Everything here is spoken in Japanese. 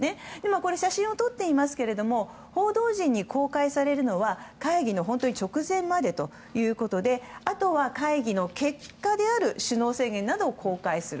これ写真を撮っていますけども報道陣に公開されるのは会議の本当に直前までということであとは会議の結果である首脳宣言などを公開する。